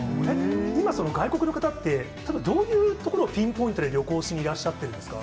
今、その外国の方って、どういうところをピンポイントで旅行しにいらっしゃってるですか。